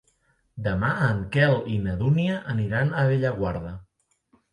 Demà en Quel i na Dúnia aniran a Bellaguarda.